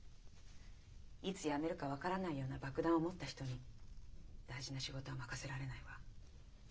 いつ辞めるか分からないような爆弾を持った人に大事な仕事は任せられないわ。